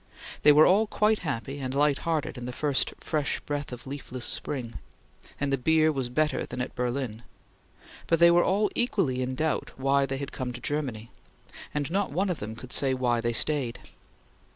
They were all quite happy and lighthearted in the first fresh breath of leafless spring, and the beer was better than at Berlin, but they were all equally in doubt why they had come to Germany, and not one of them could say why they stayed.